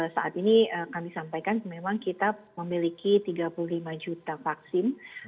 saat ini kami sampaikan memang kita memiliki tiga puluh lima juta vaksin